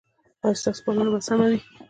ایا ستاسو پالنه به سمه وي؟